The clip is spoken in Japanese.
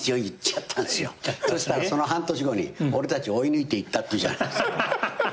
そしたらその半年後に俺たちを追い抜いていったっていうじゃないですか。